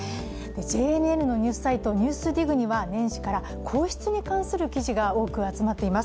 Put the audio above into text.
ＪＮＮのニュースサイト「ＮＥＷＳＤＩＧ」には年始から、皇室に関する記事が多く集まっています。